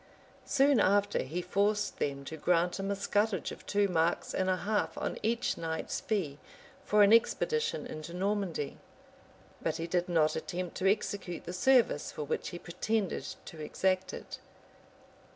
] Soon after he forced them to grant him a scutage of two marks and a half on each knights' fee for an expedition into Normandy; but he did not attempt to execute the service for which he pretended to exact it.